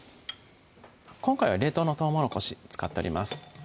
今回は冷凍のとうもろこし使っております